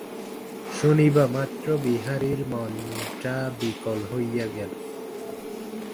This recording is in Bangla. শুনিবামাত্র বিহারীর মনটা বিকল হইয়া গেল।